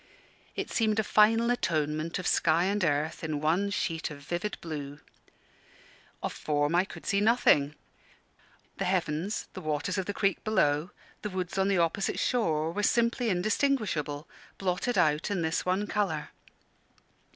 It seemed a final atonement of sky and earth in one sheet of vivid blue. Of form I could see nothing; the heavens, the waters of the creek below, the woods on the opposite shore were simply indistinguishable blotted out in this one colour.